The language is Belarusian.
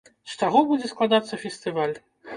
З чаго будзе складацца фестываль.